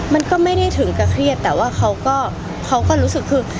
มันก็ไม่ได้ถึงกับเครียดแต่ว่าเขาก็เขาก็รู้สึกคือ